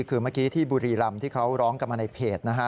คือเมื่อกี้ที่บุรีรำที่เขาร้องกันมาในเพจนะฮะ